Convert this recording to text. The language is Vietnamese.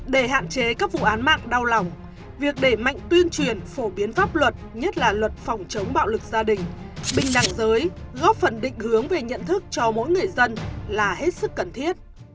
để hạn chế các vụ án mạng đau lòng việc để mạnh tuyên truyền phổ biến pháp luật nhất là luật phòng chống bạo lực gia đình bình đẳng giới góp phần định hướng về nhận thức cho mỗi người dân là hết sức cần thiết